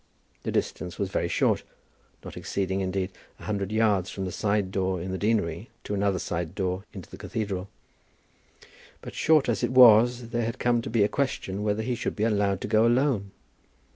The distance was very short, not exceeding, indeed, a hundred yards from a side door in the deanery to another side door into the cathedral; but short as it was there had come to be a question whether he should be allowed to go alone.